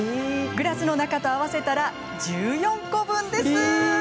グラスの中と合わせたら１４個分です！